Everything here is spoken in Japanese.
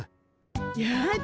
やだ